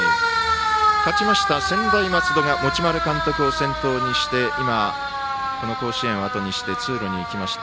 勝ちました専大松戸が持丸監督を先頭にして今、この甲子園をあとにして通路に行きました。